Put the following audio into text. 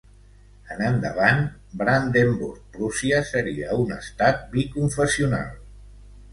En endavant, Brandenburg-Prússia seria un estat biconfessional.